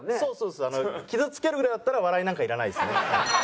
傷つけるぐらいだったら笑いなんかいらないですね。